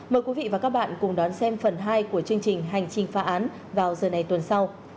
mời quý vị và các bạn cùng đón xem phần hai của chương trình hành trình phá án vào giờ này tuần sau